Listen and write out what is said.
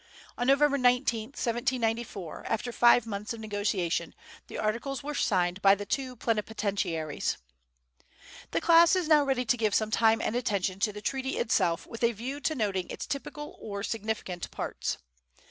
On November 19, 1794, after five months of negotiation, the articles were signed by the two plenipotentiaries. The class is now ready to give some time and attention to the treaty itself with a view to noting its typical or significant parts.